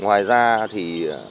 ngoài ra thì